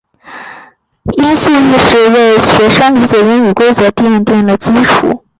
音素意识为学生理解英语规则奠定了基础。